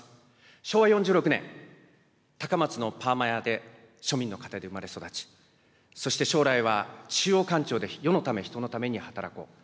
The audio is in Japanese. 昭和４６年、高松のパーマ屋で、庶民の家庭で生まれ育ち、そして将来は中央官庁で世のため、人のために働こう。